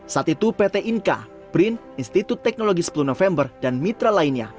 saat itu pt inka brin institut teknologi sepuluh november dan mitra lainnya